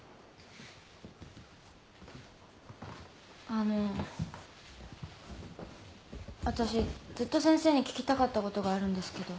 あのわたしずっと先生に聞きたかったことがあるんですけど。